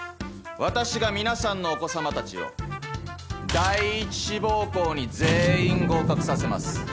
私が皆さんのお子様たちを第一志望校に全員合格させます。